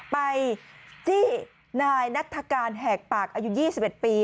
จี้นายนัฐกาลแหกปากอายุ๒๑ปี